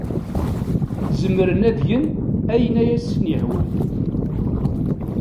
Zemren ad gen ayen ay asen-yehwan.